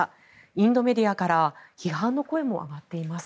インドメディアから批判の声も上がっています。